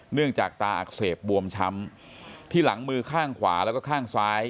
เนื่องจากตาอักเสบบวมช้ำที่หลังมือข้างขวาแล้วก็ข้างซ้าย